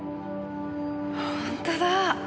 ほんとだ！